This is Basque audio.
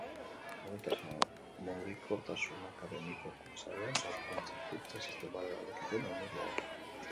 Mugikortasun akademikoko sarearen sorkuntza hezkuntza sistemaren aldaketen ondorioa da.